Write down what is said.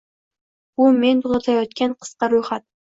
Bu men toʻxtalayotgan qisqa roʻyxat.